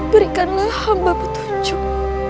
berikanlah hamba petunjuk